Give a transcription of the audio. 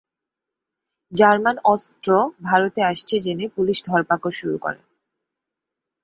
German অস্ত্র ভারতে আসছে জেনে পুলিশ ধরপাকড় শুরু করে।